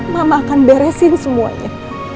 mama akan beresin semuanya